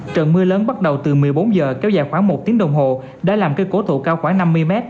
trận mưa lớn bắt đầu từ một mươi bốn giờ kéo dài khoảng một tiếng đồng hồ đã làm cây cố thụ cao khoảng năm mươi m